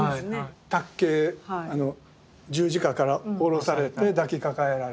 磔刑十字架から下ろされて抱き抱えられる。